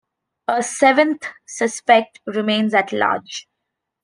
A seventh suspect remains at large.